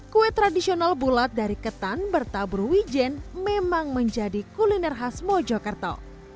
kue tradisional bulat dari ketan bertabur wijen memang menjadi kuliner khas mojokerto